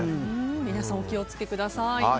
皆さん、お気を付けください。